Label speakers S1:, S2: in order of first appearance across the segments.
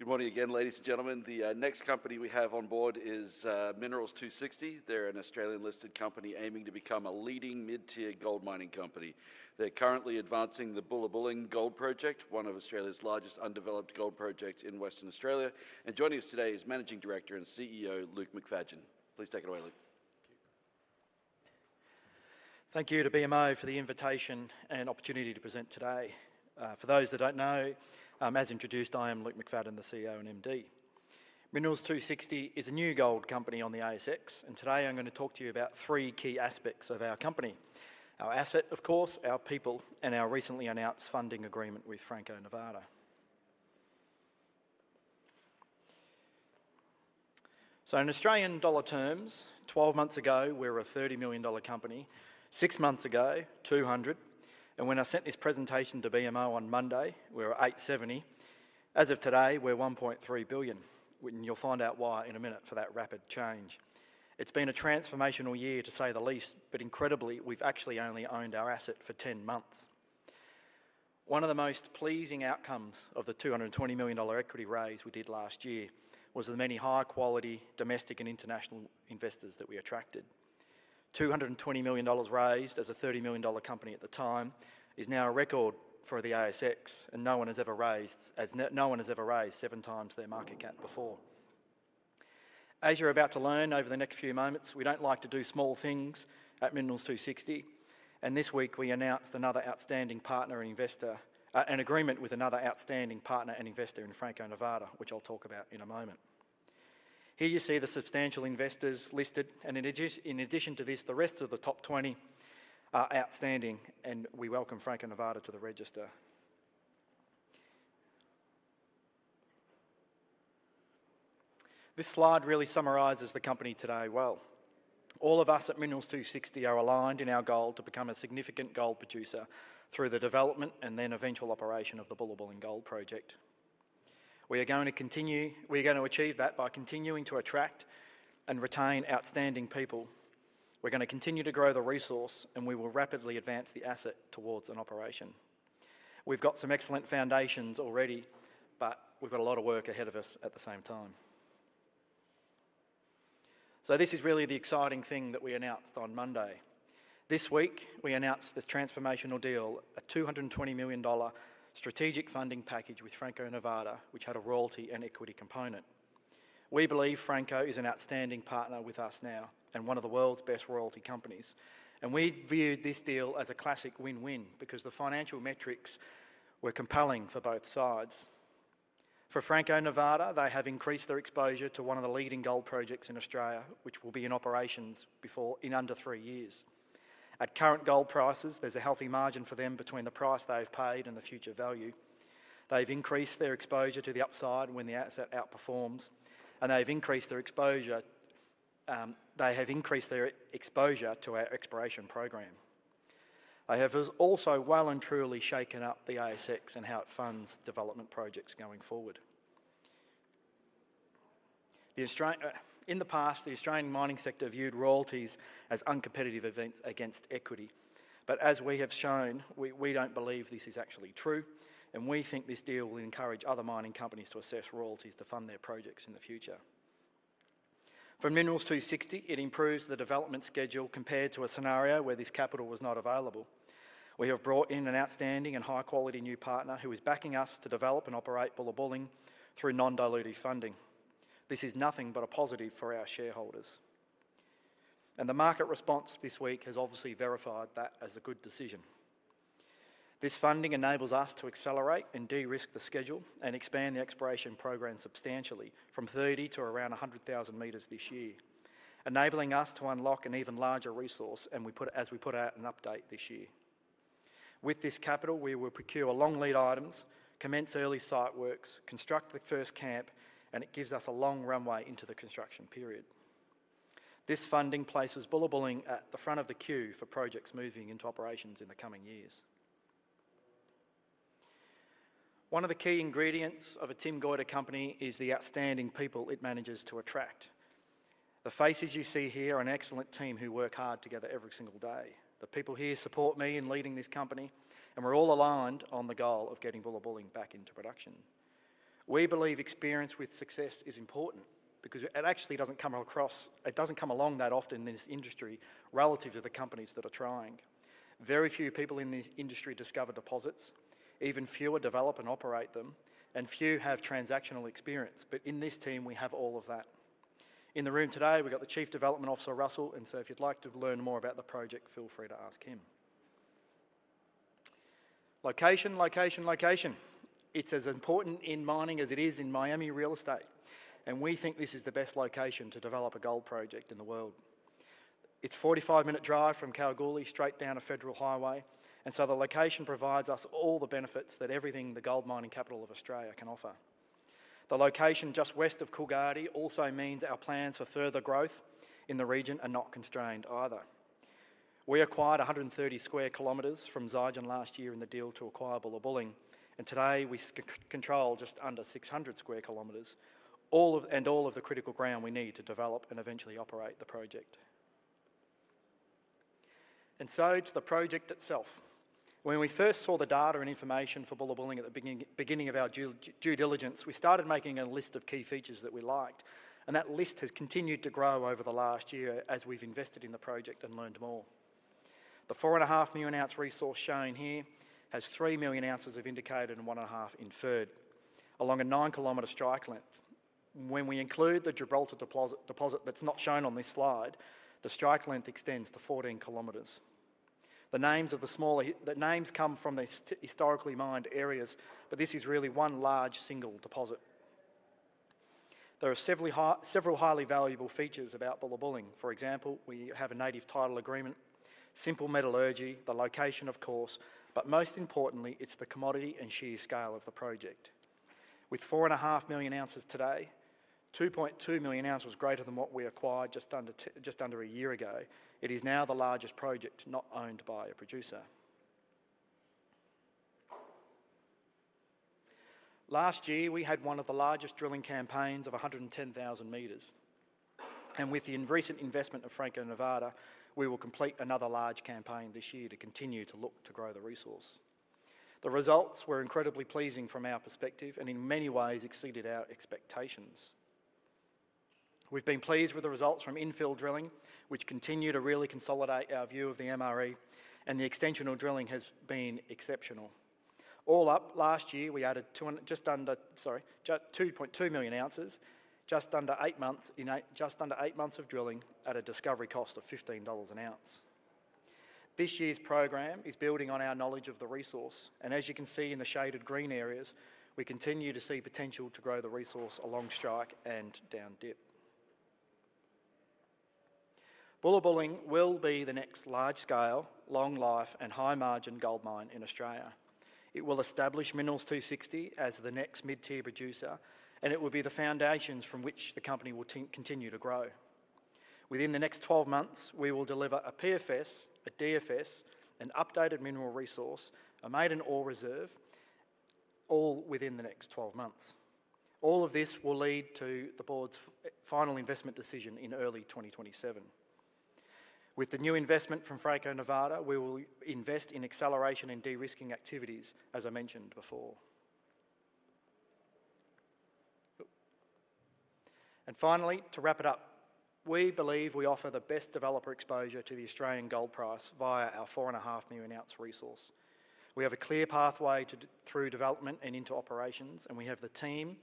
S1: Good morning again, ladies and gentlemen. The next company we have on board is Minerals 260. They're an Australian-listed company aiming to become a leading mid-tier gold mining company. They're currently advancing the Bullabulling Gold Project, one of Australia's largest undeveloped gold projects in Western Australia. Joining us today is Managing Director and CEO, Luke McFadyen. Please take it away, Luke.
S2: Thank you to BMO for the invitation and opportunity to present today. For those that don't know, as introduced, I am Luke McFadyen, the CEO and MD. Minerals 260 is a new gold company on the ASX, and today I'm gonna talk to you about three key aspects of our company: our asset, of course, our people, and our recently announced funding agreement with Franco-Nevada. In Australian dollar terms, 12 months ago, we were a 30 million dollar company, six months ago, 200 million, and when I sent this presentation to BMO on Monday, we were at 870 million. As of today, we're 1.3 billion. You'll find out why in a minute for that rapid change. It's been a transformational year, to say the least, but incredibly, we've actually only owned our asset for 10 months. One of the most pleasing outcomes of the 220 million dollar equity raise we did last year was the many high-quality domestic and international investors that we attracted. 220 million dollars raised as a 30 million dollar company at the time, is now a record for the ASX. No one has ever raised 7x their market cap before. As you're about to learn over the next few moments, we don't like to do small things at Minerals 260. This week we announced another outstanding partner and investor, an agreement with another outstanding partner and investor in Franco-Nevada, which I'll talk about in a moment. Here you see the substantial investors listed, in addition to this, the rest of the top 20 are outstanding, and we welcome Franco-Nevada to the register. This slide really summarizes the company today well. All of us at Minerals 260 are aligned in our goal to become a significant gold producer through the development and then eventual operation of the Bullabulling Gold Project. We're going to achieve that by continuing to attract and retain outstanding people. We're gonna continue to grow the resource, and we will rapidly advance the asset towards an operation. We've got some excellent foundations already, but we've got a lot of work ahead of us at the same time. This is really the exciting thing that we announced on Monday. This week, we announced this transformational deal, a 220 million dollar strategic funding package with Franco-Nevada, which had a royalty and equity component. We believe Franco is an outstanding partner with us now and one of the world's best royalty companies. We viewed this deal as a classic win-win because the financial metrics were compelling for both sides. For Franco-Nevada, they have increased their exposure to one of the leading gold projects in Australia, which will be in operations before in under 3 years. At current gold prices, there's a healthy margin for them between the price they've paid and the future value. They've increased their exposure to the upside when the asset outperforms, they have increased their exposure to our exploration program. They have also well and truly shaken up the ASX and how it funds development projects going forward. In the past, the Australian mining sector viewed royalties as uncompetitive event against equity. As we have shown, we don't believe this is actually true, and we think this deal will encourage other mining companies to assess royalties to fund their projects in the future. For Minerals 260, it improves the development schedule compared to a scenario where this capital was not available. We have brought in an outstanding and high-quality new partner who is backing us to develop and operate Bullabulling through non-dilutive funding. This is nothing but a positive for our shareholders. The market response this week has obviously verified that as a good decision. This funding enables us to accelerate and de-risk the schedule and expand the exploration program substantially from 30 to around 100,000 meters this year, enabling us to unlock an even larger resource, as we put out an update this year. With this capital, we will procure long lead items, commence early site works, construct the first camp, and it gives us a long runway into the construction period. This funding places Bullabulling at the front of the queue for projects moving into operations in the coming years. One of the key ingredients of a Tim Goyder company is the outstanding people it manages to attract. The faces you see here are an excellent team who work hard together every single day. The people here support me in leading this company, and we're all aligned on the goal of getting Bullabulling back into production. We believe experience with success is important because it actually doesn't come along that often in this industry relative to the companies that are trying. Very few people in this industry discover deposits, even fewer develop and operate them. Few have transactional experience. In this team, we have all of that. In the room today, we've got the chief development officer, Russell, if you'd like to learn more about the project, feel free to ask him. Location, location. It's as important in mining as it is in Miami real estate. We think this is the best location to develop a gold project in the world. It's a 45-minute drive from Kalgoorlie, straight down a federal highway, the location provides us all the benefits that everything the gold mining capital of Australia can offer. The location just west of Coolgardie also means our plans for further growth in the region are not constrained either. We acquired 130 sq km from Zijin last year in the deal to acquire Bullabulling, and today we control just under 600 sq km, all of the critical ground we need to develop and eventually operate the project. To the project itself. When we first saw the data and information for Bullabulling at the beginning of our due diligence, we started making a list of key features that we liked, and that list has continued to grow over the last year as we've invested in the project and learned more. The 4.5 Moz Mineral Resource shown here has 3 Moz of indicated and 1.5 inferred, along a 9-km strike length. When we include the Gibraltar deposit, that's not shown on this slide, the strike length extends to 14 kilometers. The names of the smaller areas come from the historically mined areas, this is really one large single deposit. There are several highly valuable features about Bullabulling. For example, we have a Native Title agreement, simple metallurgy, the location of course, most importantly, it's the commodity and sheer scale of the project. With 4.5 Moz today, 2.2 Moz greater than what we acquired just under a year ago, it is now the largest project not owned by a producer. Last year, we had one of the largest drilling campaigns of 110,000 meters. With the in recent investment of Franco-Nevada, we will complete another large campaign this year to continue to look to grow the resource. The results were incredibly pleasing from our perspective and in many ways exceeded our expectations. We've been pleased with the results from infill drilling, which continue to really consolidate our view of the MRE. The extensional drilling has been exceptional. All up, last year, we added just under 2.2 Moz ounces, just under eight months of drilling at a discovery cost of 15 dollars an ounce. This year's program is building on our knowledge of the resource. As you can see in the shaded green areas, we continue to see potential to grow the resource along strike and down dip. Bullabulling will be the next large-scale, long-life, and high-margin gold mine in Australia. It will establish Minerals 260 as the next mid-tier producer. It will be the foundations from which the company will continue to grow. Within the next 12 months, we will deliver a PFS, a DFS, an updated mineral resource, a maiden ore reserve, all within the next 12 months. All of this will lead to the board's final investment decision in early 2027. With the new investment from Franco-Nevada, we will invest in acceleration and de-risking activities, as I mentioned before. Finally, to wrap it up, we believe we offer the best developer exposure to the Australian gold price via our 4.5 Moz resource. We have a clear pathway through development and into operations, and we have the team,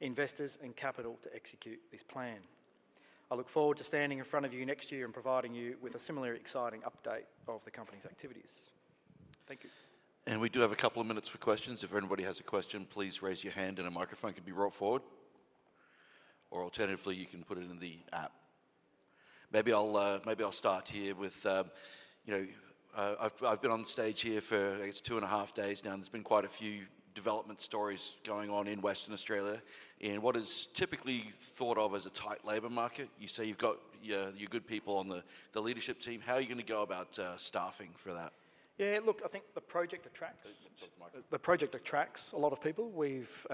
S2: investors, and capital to execute this plan. I look forward to standing in front of you next year and providing you with a similarly exciting update of the company's activities. Thank you.
S1: We do have a couple of minutes for questions. If anybody has a question, please raise your hand and a microphone could be brought forward, or alternatively, you can put it in the app. Maybe I'll start here with, you know, I've been on stage here for, I guess, two and a half days now, and there's been quite a few development stories going on in Western Australia, in what is typically thought of as a tight labor market. You say you've got your good people on the leadership team. How are you gonna go about staffing for that?
S2: Yeah, look, I think the project.
S1: Talk to the mic.
S2: The project attracts a lot of people. We've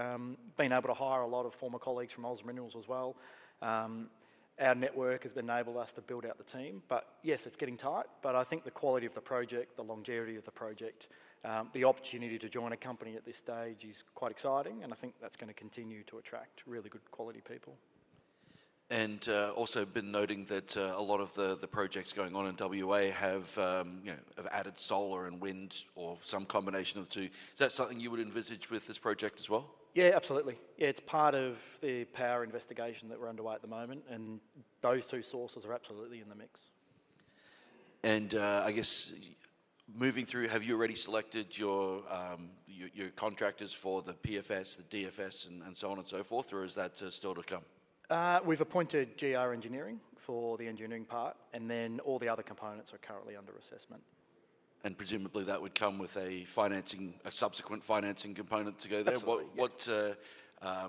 S2: been able to hire a lot of former colleagues from OZ Minerals as well. Our network has enabled us to build out the team, but yes, it's getting tight, but I think the quality of the project, the longevity of the project, the opportunity to join a company at this stage is quite exciting, and I think that's gonna continue to attract really good quality people.
S1: Also been noting that a lot of the projects going on in WA have, you know, have added solar and wind or some combination of the two. Is that something you would envisage with this project as well?
S2: Yeah, absolutely. Yeah, it's part of the power investigation that we're underway at the moment, and those two sources are absolutely in the mix.
S1: I guess, moving through, have you already selected your contractors for the PFS, the DFS, and so on and so forth, or is that still to come?
S2: We've appointed GR Engineering for the engineering part, and then all the other components are currently under assessment.
S1: Presumably, that would come with a financing, a subsequent financing component to go there?
S2: Absolutely, yeah.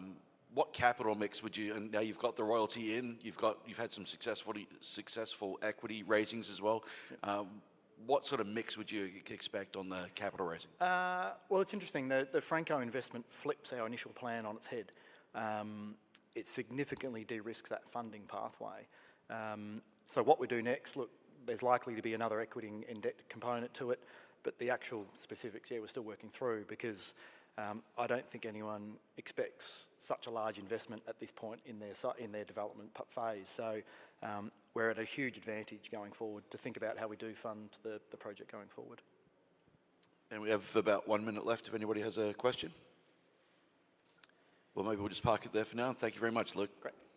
S1: What capital mix would you? Now you've got the royalty in, you've had some successful equity raisings as well. What sort of mix would you expect on the capital raising?
S2: Well, it's interesting. The Franco investment flips our initial plan on its head. It significantly de-risks that funding pathway. What we do next, look, there's likely to be another equity and debt component to it, but the actual specifics, yeah, we're still working through because, I don't think anyone expects such a large investment at this point in their development phase. We're at a huge advantage going forward to think about how we do fund the project going forward.
S1: We have about one minute left if anybody has a question. Well, maybe we'll just park it there for now. Thank you very much, Luke.
S2: Great. Thank you.